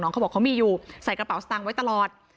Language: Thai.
เขาบอกเขามีอยู่ใส่กระเป๋าสตางค์ไว้ตลอด